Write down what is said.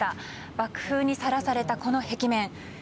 爆風にさらされた、この壁面。